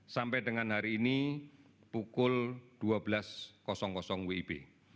sampai dengan hari ini pukul dua belas wib